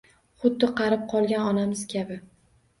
Xuddi qarib qolgan onamiz kabi